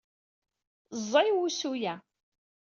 Ẓẓay wusu-a.